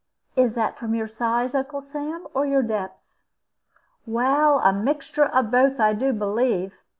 "Is that from your size, Uncle Sam, or your depth?" "Well, a mixture of both, I do believe.